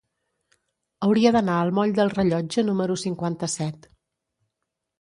Hauria d'anar al moll del Rellotge número cinquanta-set.